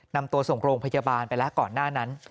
นำตัวส่งโรงพยาบาลไปแล้วก่อนหน้านั้น